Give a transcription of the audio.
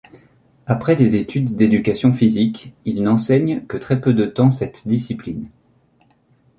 Après des études d'éducation physique, il n'enseigne que très peu de temps cette discipline.